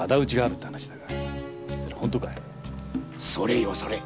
それよそれ。